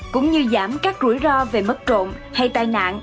cũng như giảm các rủi ro về mất trộm hay tai nạn